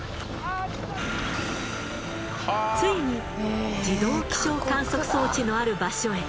ついに自動気象観測装置のある場所へ。